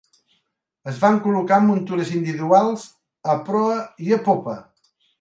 Es van col·locar en muntures individuals a proa i a popa.